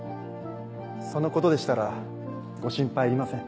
そのことでしたらご心配いりません。